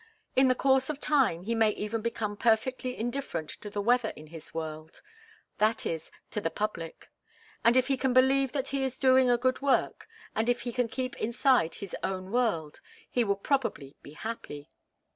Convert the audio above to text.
In the course of time he may even become perfectly indifferent to the weather in his world that is, to the public. And if he can believe that he is doing a good work, and if he can keep inside his own world, he will probably be happy."